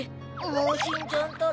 もうしんちゃんったら。